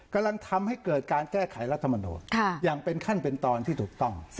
กำลังทำให้เกิดการแก้ไขรัฐมนูลอย่างเป็นขั้นเป็นตอนที่ถูกต้อง